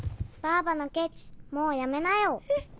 バーバのケチもうやめなよ。